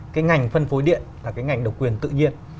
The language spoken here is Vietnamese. cái ngành phân phối điện là cái ngành độc quyền tự nhiên